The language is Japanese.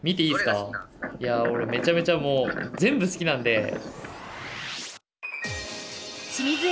いや俺めちゃめちゃもう全部好きなんで。